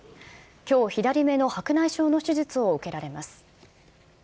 きょう、左目の白内障の手術を受けられます。